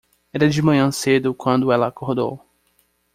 Era de manhã cedo quando ela acordou.